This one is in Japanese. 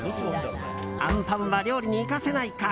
あんぱんは料理に生かせないか。